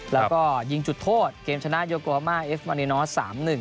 แล้วก็ยิงจุดโทษเกมชนะโยโกมาเอฟมาเนนอส๓๑